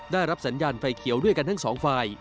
ได้รับสัญญาณไฟเขียวด้วยกันทั้งสองฝ่าย